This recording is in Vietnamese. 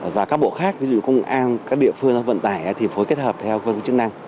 và các bộ khác ví dụ công an các địa phương vận tải thì phối kết hợp theo cơ quan chức năng